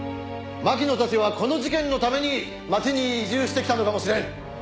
槙野たちはこの事件のために町に移住してきたのかもしれん。